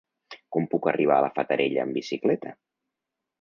Com puc arribar a la Fatarella amb bicicleta?